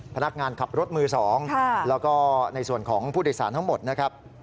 พนักงานขับรถมือ๒แล้วก็ในส่วนของผู้โดยสารทั้งหมดนะครับ